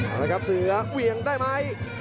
เอาละครับเสือเวียงได้ไหม